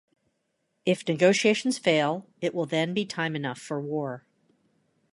If negotiations fail, it will then be time enough for war.